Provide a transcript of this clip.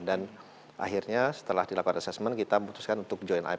dan akhirnya setelah dilakukan assessment kita memutuskan untuk join ipf